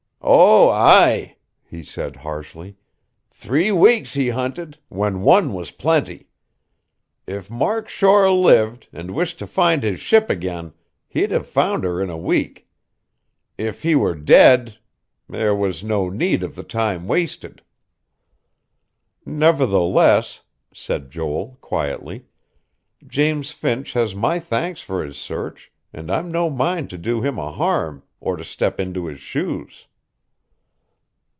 "Oh, aye," he said harshly. "Three weeks he hunted, when one was plenty. If Mark Shore lived, and wished to find his ship again, he'd have found her in a week. If he were dead ... there was no need of the time wasted." "Nevertheless," said Joel quietly, "James Finch has my thanks for his search; and I'm no mind to do him a harm, or to step into his shoes."